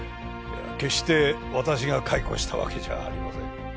決して私が解雇したわけじゃありません。